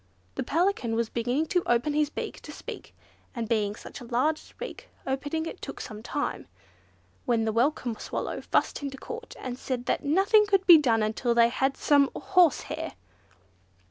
The Pelican was beginning to open his beak to speak (and, being such a large beak, opening it took some time), when the Welcome Swallow fussed into court, and said that "nothing could be done until they had some horsehair!"